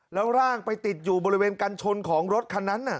แล้วร่างไปติดอยู่บริเวณกันชนของรถคันนั้น